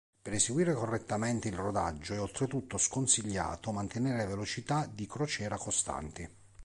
Per eseguire correttamente il rodaggio è oltretutto sconsigliato mantenere velocità di crociera costanti.